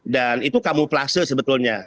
dan itu kamuflase sebetulnya